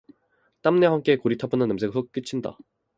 땀내와 함께 고리타분한 냄새가 훅 끼친다.